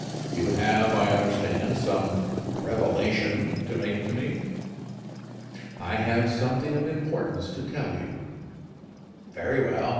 "You have, I understand, some revelation to make to me." "I have something of importance to tell you." "Very well!